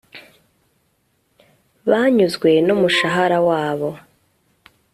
banyuzwe numushahara wabo